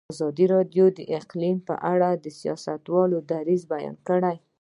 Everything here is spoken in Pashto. ازادي راډیو د اقلیتونه په اړه د سیاستوالو دریځ بیان کړی.